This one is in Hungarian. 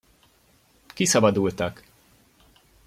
Kiszabadultak!